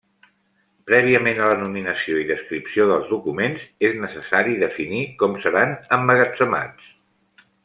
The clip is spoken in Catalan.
Prèviament a la nominació i descripció dels documents és necessari definir com seran emmagatzemats.